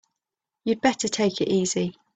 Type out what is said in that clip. You'd better take it easy.